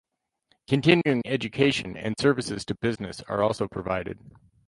Continuing education and services to business are also provided.